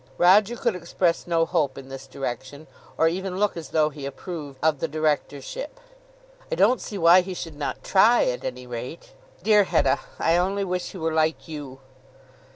Roger could express no hope in this direction or even look as though he approved of the directorship. "I don't see why he should not try at any rate." "Dear Hetta, I only wish he were like you."